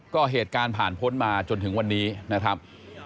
ก็เหตุการณ์ผ่านพ้นมาจนถึงวันนี้นะครับ